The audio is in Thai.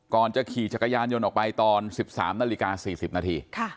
ก่อนจะขี่จักรยานยนต์ออกไปตอน๑๓นาฬิกา๔๐นาที